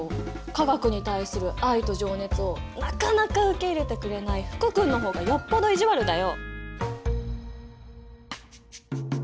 化学に対する愛と情熱をなかなか受け入れてくれない福君の方がよっぽど意地悪だよ！